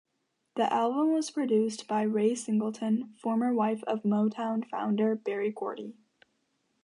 The album was produced by Ray Singleton, former wife of Motown founder Berry Gordy.